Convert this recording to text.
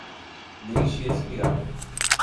Deixe esfriar.